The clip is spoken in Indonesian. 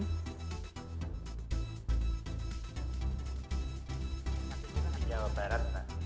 di jawa barat